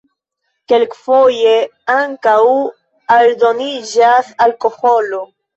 Kelkfoje ankaŭ aldoniĝas alkoholo.